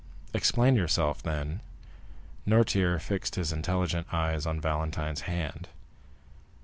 Explain yourself, then." Noirtier fixed his intelligent eyes on Valentine's hand.